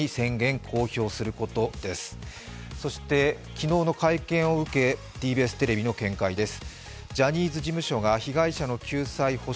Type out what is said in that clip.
昨日の会見を受けＴＢＳテレビの見解です。